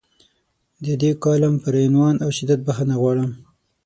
د دې کالم پر عنوان او شدت بخښنه غواړم.